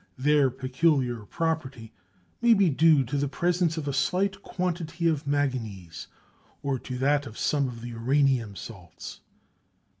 Their peculiar property may be due to the presence of a slight quantity of manganese or to that of some of the uranium salts.